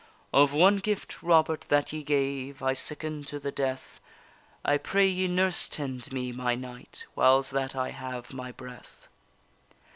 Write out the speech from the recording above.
Of one gift, Robert, that ye gave, I sicken to the death, I pray you nurse tend me, my knight, Whiles that I have my breath.